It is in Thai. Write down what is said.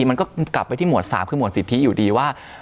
มันก็กลับไปที่หมวด๓คือหวดสิทธิอยู่ดีว่า